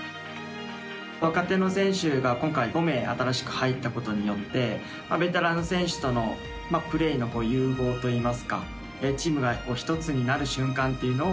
若手の選手が、今回５名新しく入ったことによってベテランの選手とのプレーの融合といいますかチームが１つになる瞬間っていうのを